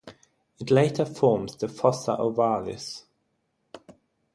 It later forms the fossa ovalis.